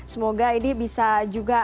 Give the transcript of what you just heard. semoga ini bisa juga